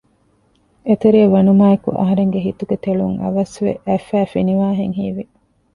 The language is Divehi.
އެތެރެޔަށް ވަނުމާއެކު އަހަރެންގެ ހިތުގެ ތެޅުން އަވަސްވެ އަތްފައި ފިނިވާހެން ހީވި